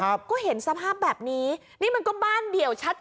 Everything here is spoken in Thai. ก็เห็นสภาพแบบนี้นี่มันก็บ้านเดี่ยวชัด